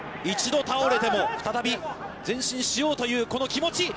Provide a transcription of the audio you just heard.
一度倒れても、再び前進しようというこの気持ち！